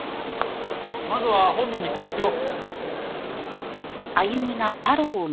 まずは本人に告知を。